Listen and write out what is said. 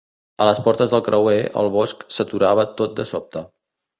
A les portes del creuer, el bosc s'aturava tot de sobte.